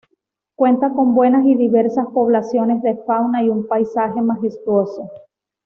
Cuenta con buenas y diversas poblaciones de fauna y un paisaje majestuoso.